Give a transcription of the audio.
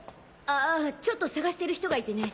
あぁちょっと捜してる人がいてね。